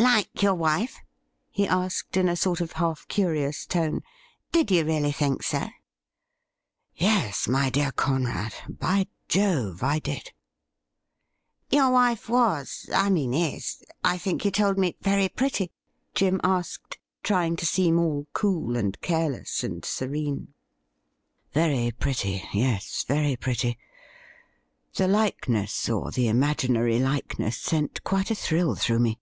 ' Like your wife ?'' he asked in a sort of half curious tone. ' Did you really think so ?' Yes, my dear Conrad ; by Jove, I did !'' Your wife was — I mean, is — I think you told me, very pretty ?' Jim asked, trying to seem all cool, and careless, and serene. 'Very pretty — ^yes, very pretty. The likeness, or the imaginary likeness, sent quite a thrill through me.